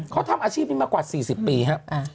เขาทำอาชีพนี้มากว่า๔๐ปีครับ